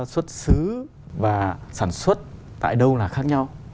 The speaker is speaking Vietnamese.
xuất xứ và sản xuất tại đâu là khác nhau